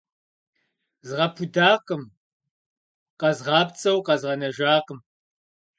Згъэпудакъым, къэзгъапцӏэу къэзгъэнэжакъым.